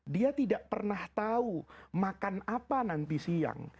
dia tidak pernah tahu makan apa nanti siang